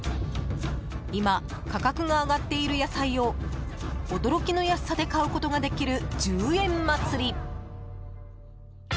今、価格が上がっている野菜を驚きの安さで買うことができる１０円祭り。